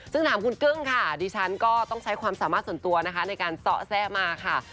ซึ่งถามคุณกึ้งค่ะดิฉันก็ต้องใช้ความสามารถส่วนตัวนะคะในการเจาะแซะมาค่ะ